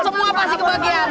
semua pasti kebahagiaan